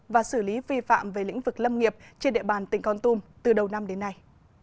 và xử lý vi phạm về lĩnh vực lâm nghiệp trên địa bàn tỉnh con tum từ đầu năm đến nay